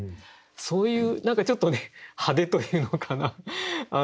そういう何かちょっと派手というのかな。